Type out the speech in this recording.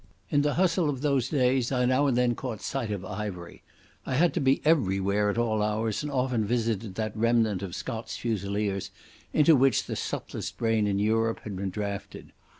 In the hustle of those days I now and then caught sight of Ivery. I had to be everywhere at all hours, and often visited that remnant of Scots Fusiliers into which the subtlest brain in Europe had been drafted.